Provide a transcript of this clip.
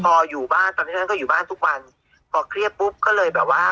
พออยู่บ้านตอนนี้ท่านก็อยู่บ้านทุกวันพอเครียดปุ๊บก็เลยแบบว่า